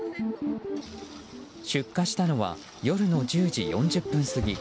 出火したのは夜の１０時４０分過ぎ。